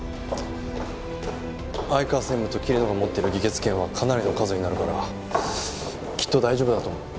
相川専務と桐野が持ってる議決権はかなりの数になるからきっと大丈夫だと思う。